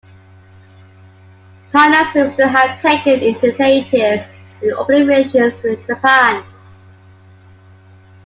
China seems to have taken the initiative in opening relations with Japan.